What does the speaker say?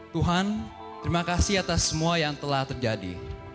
tuhan terima kasih atas semua yang telah terjadi